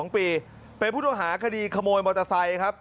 ๒ปีเป็นผู้ต้องหาคดีขโมยมอเตอร์ไซค์ครับ